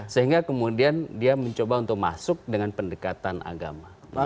sehingga kemudian dia mencoba untuk masuk dengan pendekatan agama